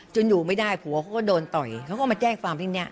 อยู่ไม่ได้ผัวเขาก็โดนต่อยเขาก็มาแจ้งความที่เนี้ย